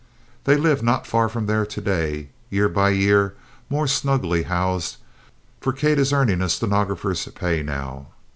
They live not far from there to day, year by year more snugly housed, for Kate is earning a stenographer's pay now.